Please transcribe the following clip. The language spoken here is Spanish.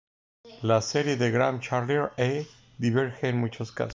La serie de Gram–Charlier A diverge en muchos casos.